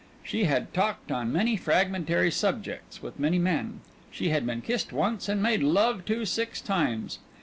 She had talked on many fragmentary subjects with many men. She had been kissed once and made love to six times.